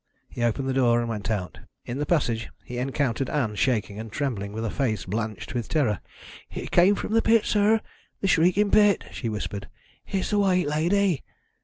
He opened the door and went out. In the passage he encountered Ann shaking and trembling, with a face blanched with terror. "It came from the pit, sir the Shrieking Pit," she whispered. "It's the White Lady.